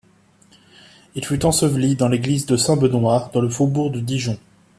Il fut enseveli dans l’église de Saint-Benoît, dans le faubourg de Dijon.